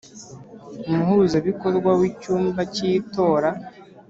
umuhuzabikorwa w icyumba cy itora.